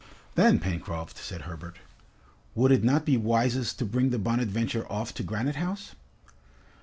"Then, Pencroft," said Herbert, "would it not be wisest to bring the 'Bonadventure' off to Granite House?"